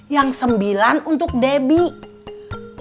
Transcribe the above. yang sembilan untuk debbie